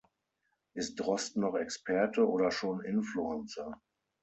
Ist Drosten noch Experte oder schon Influencer?